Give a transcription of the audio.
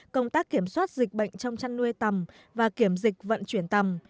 công tác kiểm soát dịch bệnh trong chăn nuôi tầm và kiểm dịch vận chuyển tầm